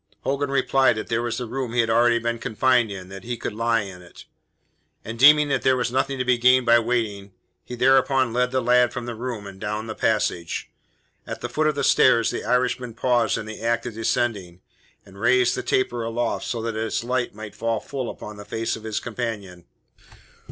Hogan replied that there was the room he had already been confined in, and that he could lie in it. And deeming that there was nothing to be gained by waiting, he thereupon led the youth from the room and down the passage. At the foot of the stairs the Irishman paused in the act of descending, and raised the taper aloft so that its light might fall full upon the face of his companion.